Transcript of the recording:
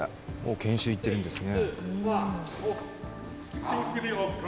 研修行っているんですね。